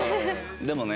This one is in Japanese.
でもね